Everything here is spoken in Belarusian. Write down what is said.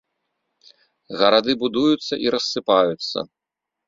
Гарады будуюцца і рассыпаюцца.